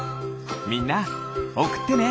みんなおくってね。